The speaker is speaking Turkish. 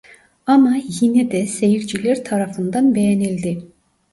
Ama yine de seyirciler tarafından beğenildi.